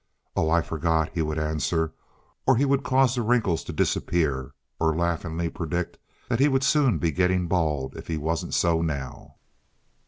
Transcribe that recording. "Oh, I forgot," he would answer, or he would cause the wrinkles to disappear, or laughingly predict that he would soon be getting bald if he wasn't so now.